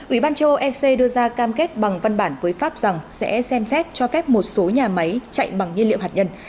ủy ban châu âu ec đưa ra cam kết bằng văn bản với pháp rằng sẽ xem xét cho phép một số nhà máy chạy bằng nhiên liệu hạt nhân